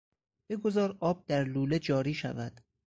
بگذار آب در لوله جاری شود.